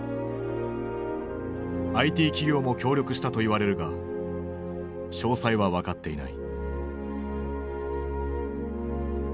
ＩＴ企業も協力したといわれるが詳細は分かっていない。